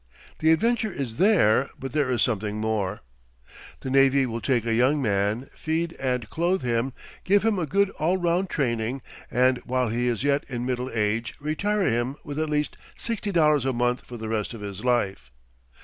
The adventure is there, but there is something more. The navy will take a young man, feed and clothe him, give him a good all round training, and while he is yet in middle age retire him with at least $60 a month for the rest of his life.